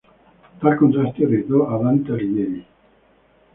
Tal contraste irritó a Dante Alighieri.